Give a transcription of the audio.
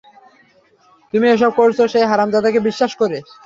তুমি এসব করেছো সেই হারামজাদাকে বিশ্বাস করে।